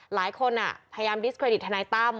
หลายคนพยายามดิสเครดิตทนายตั้ม